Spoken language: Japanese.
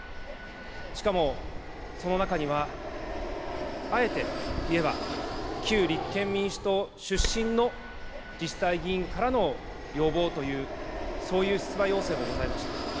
しかも、その中には、あえて言えば、旧立憲民主党出身の自治体議員からの要望という、そういう出馬要請もございました。